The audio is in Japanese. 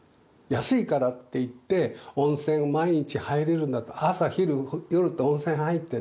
安いからといって温泉毎日入れるんだと朝昼夜と温泉入ってね